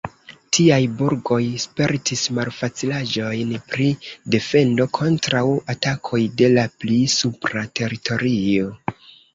Tiaj burgoj spertis malfacilaĵojn pri defendo kontraŭ atakoj de la pli supra teritorio.